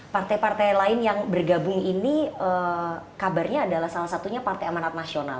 partai partai lain yang bergabung ini kabarnya adalah salah satunya partai amanat nasional